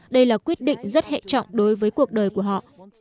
đây là quyết định rất hệ trọng đối với cuộc đời của họ